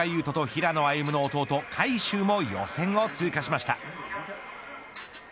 斗と平野歩夢の弟、海祝も予選を通過しました。